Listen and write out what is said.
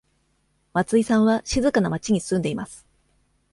松井さんは静かな町に住んでいます。